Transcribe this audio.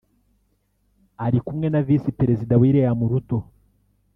Ari kumwe na Visi Perezida William Ruto